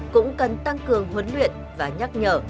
cũng cần tăng cường huấn luyện và nhắc nhở